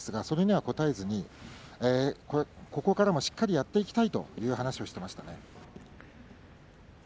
それには答えずここからもしっかりやっていきたいという話をしていました。